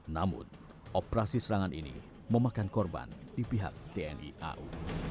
namun operasi serangan ini memakan korban di pihak tni au